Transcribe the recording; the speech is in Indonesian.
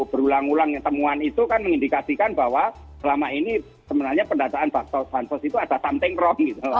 berulang ulang temuan itu kan mengindikasikan bahwa selama ini sebenarnya pendataan bansos itu ada something wrong gitu